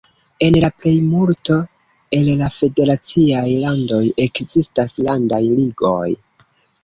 En la plejmulto el la federaciaj landoj ekzistas landaj ligoj.